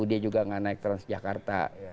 dia juga nggak naik transjakarta